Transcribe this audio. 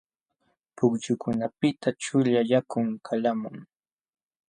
Pukyukunapiqta chuyaq yakun yalqamun.